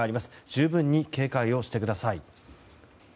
十分に警戒をしてください。